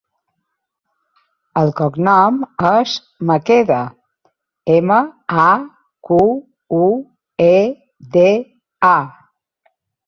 El cognom és Maqueda: ema, a, cu, u, e, de, a.